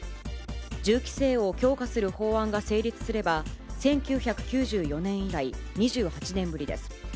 銃規制を強化する法案が成立すれば、１９９４年以来２８年ぶりです。